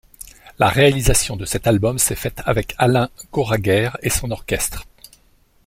La réalisation de cet album s'est faite avec Alain Goraguer et son orchestre.